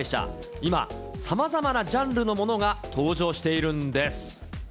今、さまざまなジャンルのものが登場しているんです。